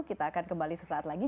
kita akan kembali sesaat lagi